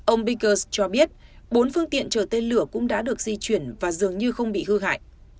ông beckers cho biết bốn phương tiện trở tên lửa cũng đã được di chuyển và dường như không bị hư hại